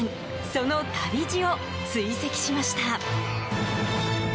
その旅路を追跡しました。